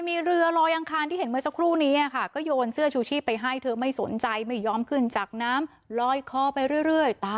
ไม่สนใจโรยอยู่แบบนี้ค่ะนั่นทีค่ะพนมมือแบบนี้ด้วย